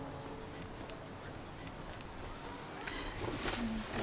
こんにちは。